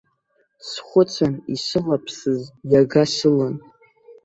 Схәыцын, исылаԥсыз иага сылан!